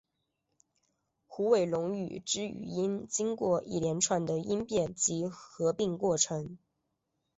虎尾垄语之语音经过一连串的音变及合并过程。